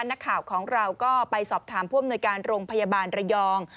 นักข่าวของเราก็ไปสอบถามผู้อำนวยการโรงพยาบาลระยอง